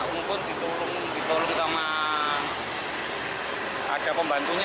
untuk ditolong sama ada pembantunya